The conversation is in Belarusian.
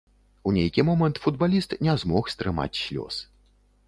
У нейкі момант футбаліст не змог стрымаць слёз.